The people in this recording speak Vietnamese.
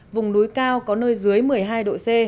vùng núi cao có nơi dưới một mươi hai độ c